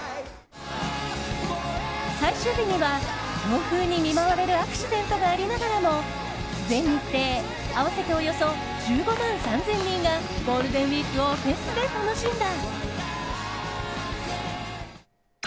最終日には、強風に見舞われるアクシデントがありながらも全日程、合わせておよそ１５万３０００人がゴールデンウィークをフェスで楽しんだ。